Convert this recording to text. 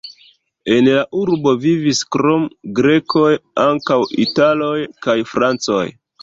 En la urbo vivis krom grekoj ankaŭ italoj kaj francoj.